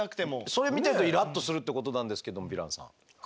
それを見てるとイラッとするってことなんですけどヴィランさん。